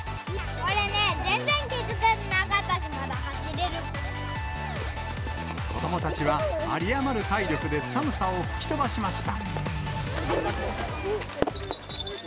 俺ね、全然きつくなかったし、子どもたちは有り余る体力で寒さを吹き飛ばしました。